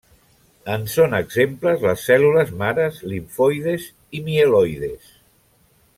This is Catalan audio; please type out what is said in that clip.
En són exemples les cèl·lules mares limfoides i mieloides.